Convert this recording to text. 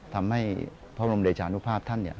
ทำให้พระบรมเดชานุภาพท่านเนี่ย